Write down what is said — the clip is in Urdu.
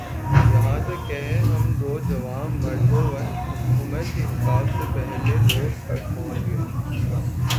یہاں تک کہہ ہم دو جواںمرد اوسط عمر کے حساب سے پہل لے لوگ تک پہنچ گئے